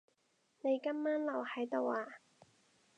你今晚留喺度呀？